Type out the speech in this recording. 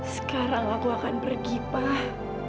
sekarang aku akan pergi pak